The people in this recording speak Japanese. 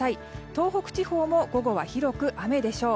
東北地方も午後は広く雨でしょう。